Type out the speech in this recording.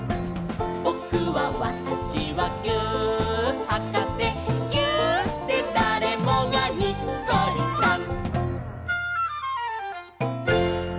「ぼくはわたしはぎゅーっはかせ」「ぎゅーっでだれもがにっこりさん！」